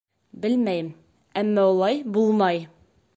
Белмәйем, әммә улай булмай!